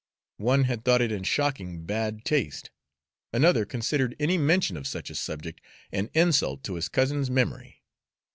One had thought it in shocking bad taste; another considered any mention of such a subject an insult to his cousin's memory.